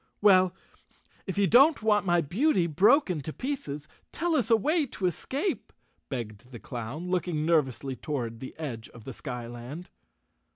"Well, if you don't want my beauty broken to pieces tell us a way to escape," begged the clown, looking nervously toward the edge of the skyland.